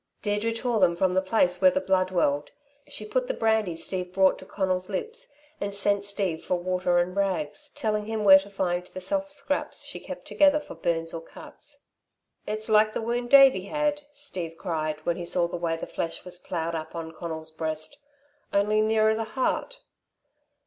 Deirdre tore them from the place where the blood welled. She put the brandy Steve brought to Conal's lips, and sent Steve for water and rags, telling him where to find the soft scraps she kept together for burns or cuts. "It's like the wound Davey had," Steve cried, when he saw the way the flesh was ploughed up on Conal's breast, "only nearer the heart."